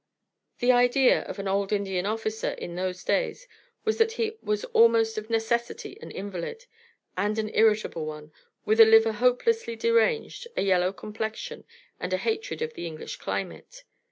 The idea of an old Indian officer in those days was that he was almost of necessity an invalid, and an irritable one, with a liver hopelessly deranged, a yellow complexion, and a hatred of the English climate.